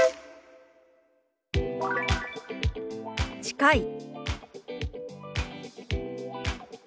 「近い」。